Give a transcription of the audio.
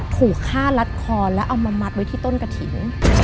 ถูกฆ่ารัดคอแล้วเอามามัดไว้ที่ต้นกระถิ่น